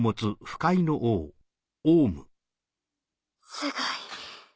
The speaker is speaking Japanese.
すごい。